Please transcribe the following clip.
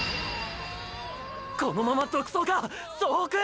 このまま独走か総北！！